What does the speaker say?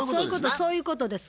そういうことです。